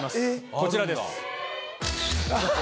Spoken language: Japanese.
こちらです。